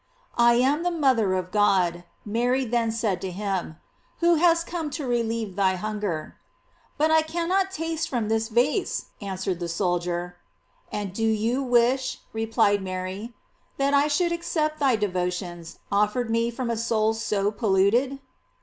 "I am the mother of God," Mary then said to him," who has come to relieve thy hunger." ''But I cannot taste from this vase," answered the soldier. "And do you wish," replied Mary, "that I should accept thy devotions, offered me from a soul so polluted